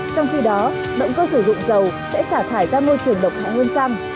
trong khi đó động cơ sử dụng dầu sẽ xả thải ra môi trường độc hạ nguồn xăng